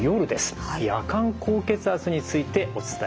夜間高血圧についてお伝えしていきます。